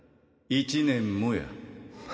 「１年も」や。